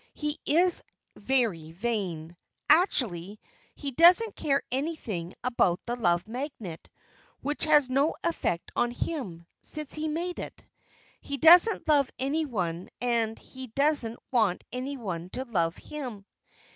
He is very vain. Actually he doesn't care anything about the Love Magnet, which has no effect on him, since he made it. He doesn't love anyone and he doesn't want anyone to love him.